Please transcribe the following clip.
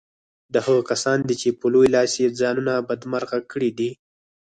دا هغه کسان دي چې په لوی لاس يې ځانونه بدمرغه کړي دي.